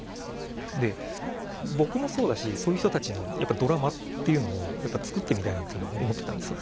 で僕もそうだしそういう人たちのやっぱドラマっていうのをやっぱ作ってみたいなって思ってたんですよ。